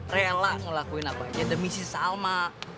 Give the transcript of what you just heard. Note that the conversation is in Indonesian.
rela ngelakuin apa aja demi sih salma